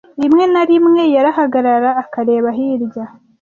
Rimwe na rimwe yarahagarara akareba hirya.